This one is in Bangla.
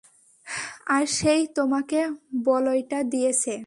আর সে-ই তোমাকে বলয়টা দিয়েছে।